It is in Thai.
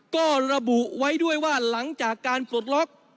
ก็ระบุไว้ด้วยว่าหลังจากการปลดล็อก